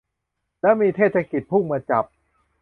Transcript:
แล้วมีเทศกิจพุ่งมาจับ